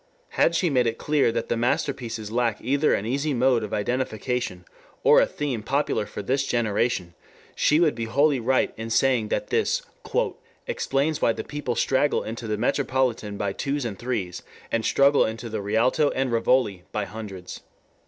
Had she made it clear that the masterpieces lack either an easy mode of identification or a theme popular for this generation, she would be wholly right in saying that this "explains why the people straggle into the Metropolitan by twos and threes and struggle into the Rialto and Rivoli by hundreds.